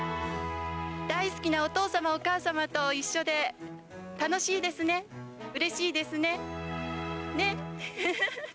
大好きなお父様、お母様と一緒で楽しいですね、うれしいですね。ね！